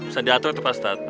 bisa diatur itu pak ustadz